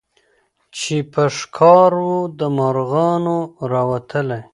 چي په ښکار و د مرغانو راوتلی